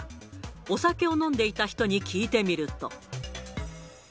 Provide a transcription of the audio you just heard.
お酒を飲んでいた人に聞いてみると。